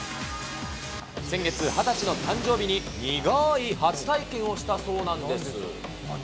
先月２０歳の誕生日に苦ーい初体験をしたそうなんです。